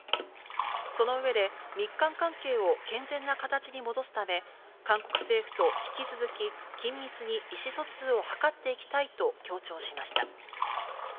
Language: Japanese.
その上で、日韓関係を健全な形に戻すため、韓国政府と引き続き、緊密に意思疎通を図っていきたいと強調しました。